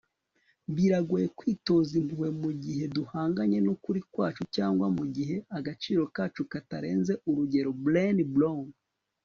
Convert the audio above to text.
biragoye kwitoza impuhwe mugihe duhanganye nukuri kwacu cyangwa mugihe agaciro kacu katarenze urugero. - brene brown